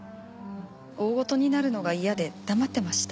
大事になるのが嫌で黙ってました。